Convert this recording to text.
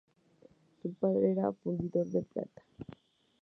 Su padre era fundidor de plata.